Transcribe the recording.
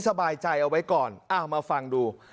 สบายใจเอาไว้ก่อนอ้าวมาฟังดู